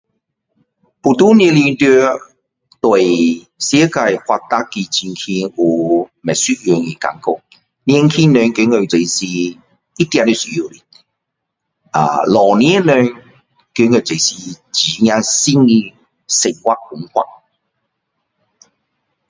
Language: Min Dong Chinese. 普通年龄对时间发达的情形有不一样的感觉年轻人觉得这是一定要需要的啊老年人觉得这真的是一个新的生活方法